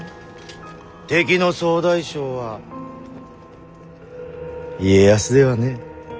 敵の総大将は家康ではねえ。